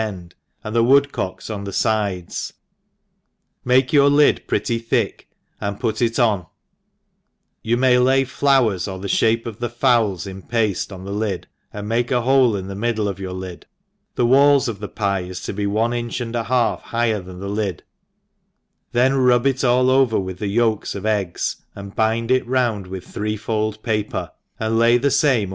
end, and the woodcocks on the fides, .m^ake your lid pretty thick and put it on ; you may lay flowers, or the fhape of the fowls in pafle, on the lid, and make a hole in the mid dle of your lid ; the walls of the pye are to be one inch and a half higher than the lid, then rub it all over with the yolks of eggs, and bind it round with, three fold paper, and lay the fame I over / v ENGLISH HOUSE KEEPER.